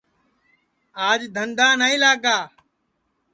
آج دھندا نائی لاگا